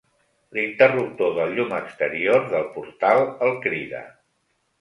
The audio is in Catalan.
L'interruptor del llum exterior del portal el crida.